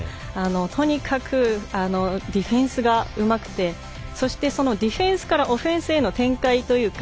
とにかくディフェンスがうまくてそして、そのディフェンスからオフェンスへの展開というか